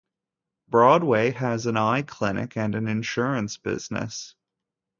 Broadway has an eye clinic and an insurance business.